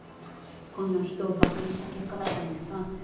こんな人をばかにした結果だったのにさ。